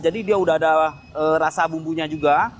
jadi dia sudah ada rasa bumbunya juga